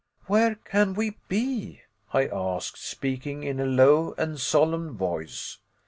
"Where can we be?" I asked, speaking in a low and solemn voice.